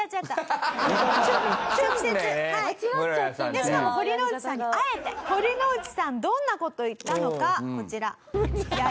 でしかも堀之内さんに会えて堀之内さんどんな事を言ったのかこちら。